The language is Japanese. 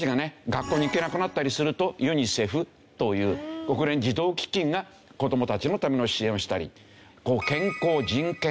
学校に行けなくなったりするとユニセフという国連児童基金が子どもたちのための支援をしたり。